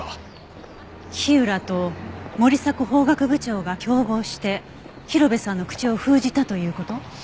火浦と森迫法学部長が共謀して広辺さんの口を封じたという事？